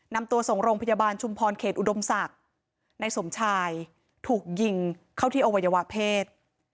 นำตัวส่งโรงพยาบาลชุมพรเขตอุดมศักดิ์ในสมชายถูกยิงเข้าที่อวัยวะเพศ